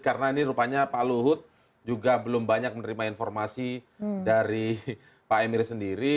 karena ini rupanya pak luhut juga belum banyak menerima informasi dari pak emery sendiri